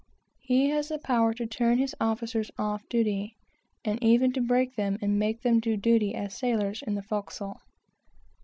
He has the power to turn his officers off duty, and even to break them and make them do duty as sailors in the forecastle.